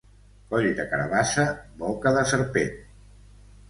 Coll de carabassa, boca de serpent.